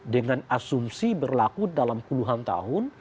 dengan asumsi berlaku dalam puluhan tahun